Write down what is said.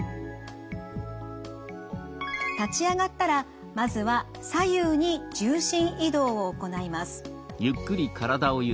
立ち上がったらまずは左右に重心移動を行います。